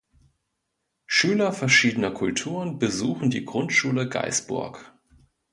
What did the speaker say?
Schüler verschiedener Kulturen besuchen die Grundschule Gaisburg.